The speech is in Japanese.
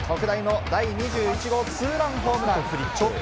特大の第２１号ツーランホームラン！